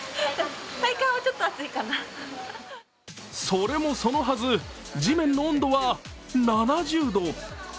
それもそのはず、地面の温度は７０度。